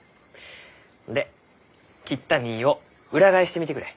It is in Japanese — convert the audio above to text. で切った実を裏返してみてくれ。